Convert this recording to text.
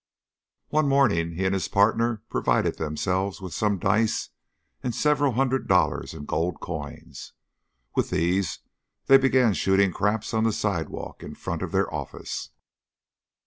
One morning he and his partner provided themselves with some dice and several hundred dollars in gold coin. With these they began shooting craps on the sidewalk in front of their office.